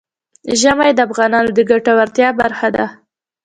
ژمی د افغانانو د ګټورتیا برخه ده.